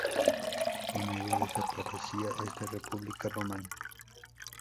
Con ello, desaparecía esta República romana.